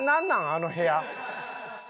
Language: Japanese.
あの部屋。